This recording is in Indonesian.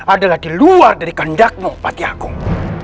adalah di luar dari kandakmu pati agung